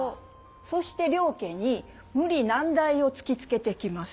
そして両家に無理難題を突きつけてきます。